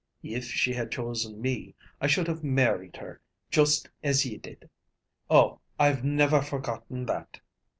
If she had chosen me, I should have married her, juist as ye did. Oh, I've never forgotten that!